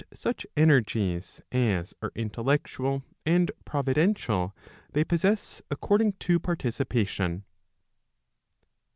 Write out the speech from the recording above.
435 such energies as are intellectual and providential, they possess according to participation.